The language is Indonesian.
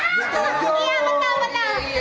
iya betul betul